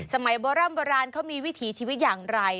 โบร่ำโบราณเขามีวิถีชีวิตอย่างไร